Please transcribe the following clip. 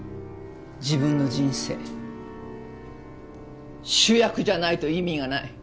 自分の人生主役じゃないと意味がない。